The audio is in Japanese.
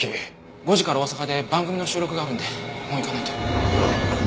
５時から大阪で番組の収録があるんでもう行かないと。